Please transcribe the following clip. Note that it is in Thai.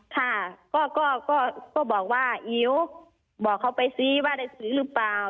ค่ะก็บอกว่าอิ๋วบอกเขาไปซิว่าได้ซื้อหรือเปล่า